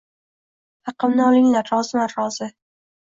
Haqimni olinglar… Roziman, rozi!